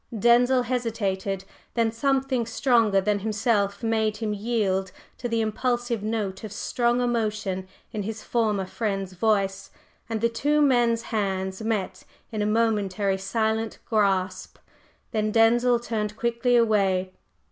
Denzil hesitated; then something stronger than himself made him yield to the impulsive note of strong emotion in his former friend's voice, and the two men's hands met in a momentary silent grasp. Then Denzil turned quickly away.